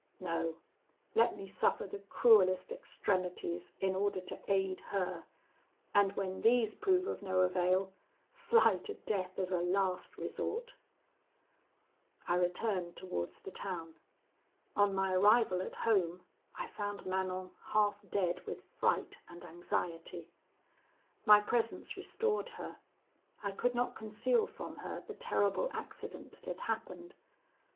No, let me suffer the cruellest extremities in order to aid her; and when these prove of no avail, fly to death as a last resource!' "I returned towards the town; on my arrival at home, I found Manon half dead with fright and anxiety: my presence restored her. I could not conceal from her the terrible accident that had happened.